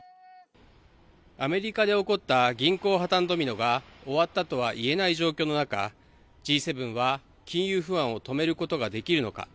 アメリカで起こった銀行破綻ドミノが終わったとは言えない状況の中、Ｇ７は金融不安を止めることができるのか。